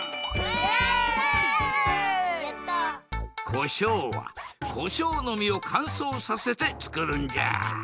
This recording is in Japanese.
こしょうはこしょうの実をかんそうさせてつくるんじゃ。